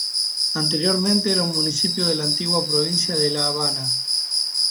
Anteriormente era un municipio de la antigua provincia de La Habana.